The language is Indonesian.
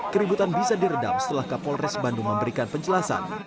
keributan bisa diredam setelah kapolres bandung memberikan penjelasan